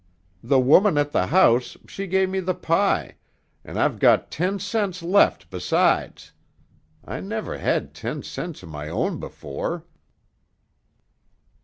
The woman at the house, she give me the pie, an' I've got ten cents left besides. I never had ten cents of my own before!"